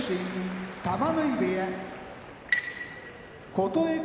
琴恵光